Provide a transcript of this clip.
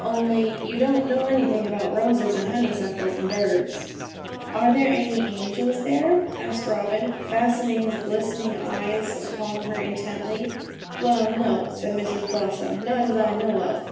Only you don't know anything about roses, and honeysuckles, and birds.' 'Are there any angels there?' asked Robin, fastening his glistening eyes upon her intently. 'Well, no,' said Mrs Blossom, 'not as I know of.'